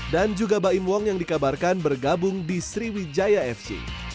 dan juga baim wong yang dikabarkan bergabung di sriwijaya fc